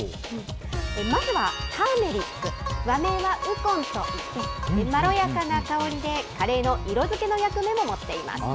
まずはターメリック、和名はウコンといって、まろやかな香りでカレーの色づけの役目も持っています。